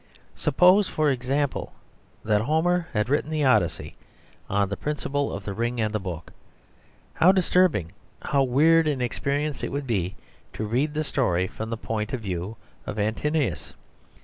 Suppose, for example, that Homer had written the Odyssey on the principle of The Ring and the Book, how disturbing, how weird an experience it would be to read the story from the point of view of Antinous!